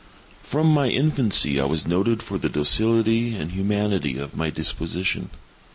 From my infancy I was noted for the docility and humanity of my disposition.